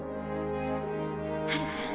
ハルちゃん